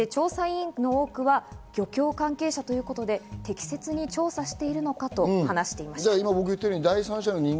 そして調査員の多くは漁協関係者ということで適切に調査しているのかと話しています。